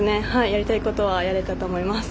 やりたいことはやれたと思います。